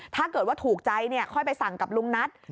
ถ้าเกิดว่าถูกใจค่อยไปสั่งกับลุงนัท